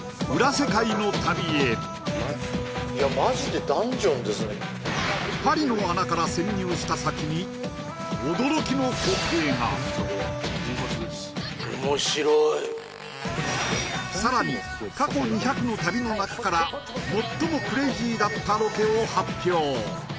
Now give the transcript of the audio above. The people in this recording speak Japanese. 世界の旅へパリの穴から潜入した先に驚きの光景が面白いさらに過去２００の旅のなかから最もクレイジーだったロケを発表